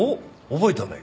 覚えたね。